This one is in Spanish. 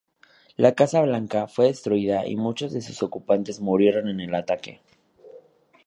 La "Casa Blanca" fue destruida y muchos de sus ocupantes murieron en el ataque.